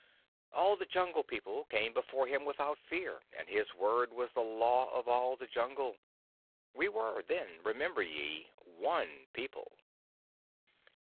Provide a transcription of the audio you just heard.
All the Jungle People came before him without fear, and his word was the Law of all the Jungle. We were then, remember ye, one people.